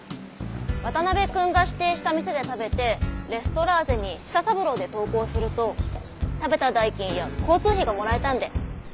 渡辺くんが指定した店で食べてレストラーゼに舌三郎で投稿すると食べた代金や交通費がもらえたんで。